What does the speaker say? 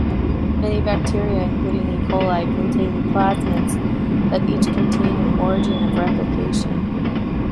Many bacteria, including "E. coli", contain plasmids that each contain an origin of replication.